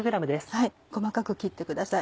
細かく切ってください。